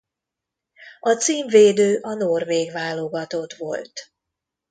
A címvédő a norvég válogatott volt.